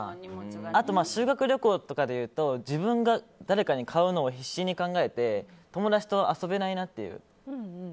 あと、修学旅行とかでいうと自分が誰かに買うのを必死に考えて友達と遊べないなという。